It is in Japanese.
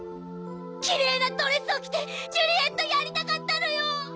きれいなドレスを着てジュリエットやりたかったのよぉ！